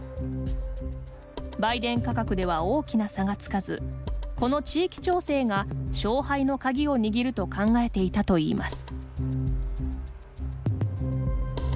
売電価格では大きな差がつかずこの地域調整が勝敗の鍵を握ると考えていたといいます。